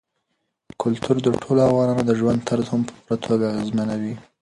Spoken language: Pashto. کلتور د ټولو افغانانو د ژوند طرز هم په پوره توګه اغېزمنوي.